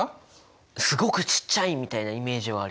すごくちっちゃいみたいなイメージはあります。